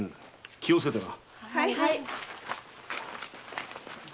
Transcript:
気をつけてな。